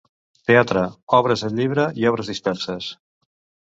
Teatre: obres en llibre i obres disperses.